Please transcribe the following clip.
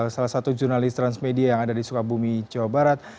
salah satu jurnalis transmedia yang ada di sukabumi jawa barat